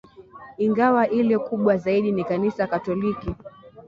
ingawa ile kubwa zaidi ni Kanisa Katoliki